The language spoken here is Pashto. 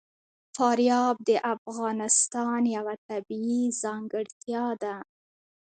فاریاب د افغانستان یوه طبیعي ځانګړتیا ده.